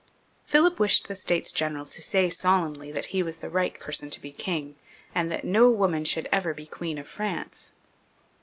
Philip wished the States General to say solemnly that he was the right person to be king, and that no woman should ever be Queen of France.